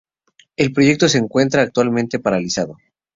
El proyecto se encuentra actualmente paralizado.